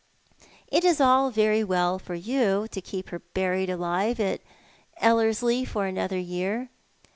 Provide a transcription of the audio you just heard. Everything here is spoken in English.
" It is all very well for you to keep her buried alive at Ellerslic for another year.